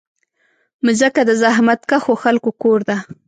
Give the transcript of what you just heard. مځکه د زحمتکښو خلکو کور ده.